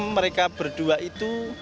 mereka berdua itu